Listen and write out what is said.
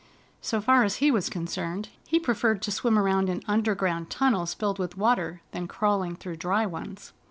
So far as he was concerned, he preferred to swim around in underground tunnels filled with water than crawling through dry ones.